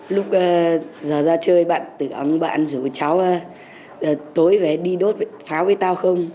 lúc giờ ra chơi bạn tưởng bạn rủ cháu tối về đi đốt pháo với tao không